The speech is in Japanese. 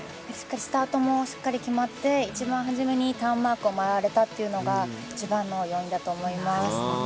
スタートもしっかり決まって、一番初めにターンマークを回られたのが一番の要因だと思います。